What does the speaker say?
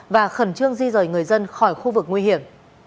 và khẩn trương di rời người dân khỏi khu vực nguy hiểm